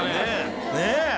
ねえ！